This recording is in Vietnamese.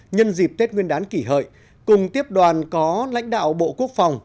nhân dịp tết nguyên đán kỷ hợi cùng tiếp đoàn có lãnh đạo bộ quốc phòng